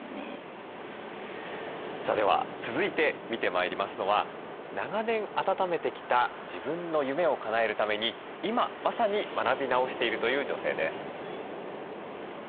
さあでは続いて見てまいりますのは長年あたためてきた自分の夢をかなえるために今まさに学び直しているという女性です。